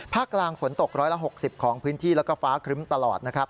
กลางฝนตก๑๖๐ของพื้นที่แล้วก็ฟ้าครึ้มตลอดนะครับ